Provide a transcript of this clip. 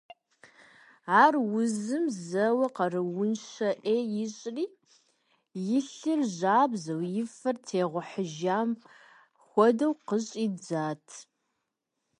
Ар узым зэуэ къарууншэ Ӏеи ищӏри, и лыр жабзэу и фэр тегъухьыжам хуэдэу къыщӀидзат.